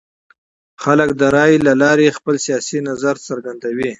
خلک د رایې له لارې خپل سیاسي نظر څرګندوي